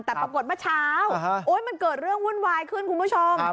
แต่ปรากฏเมื่อเช้ามันเกิดเรื่องวุ่นวายขึ้นคุณผู้ชม